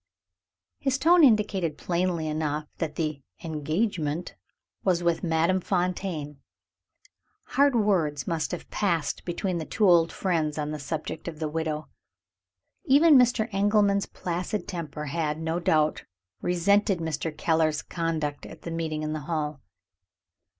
His tone indicated plainly enough that the "engagement" was with Madame Fontaine. Hard words must have passed between the two old friends on the subject of the widow. Even Mr. Engelman's placid temper had, no doubt, resented Mr. Keller's conduct at the meeting in the hall.